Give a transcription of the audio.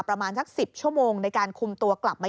ประมาณสัก๑๐ชั่วโมงในการคุมตัวกลับมา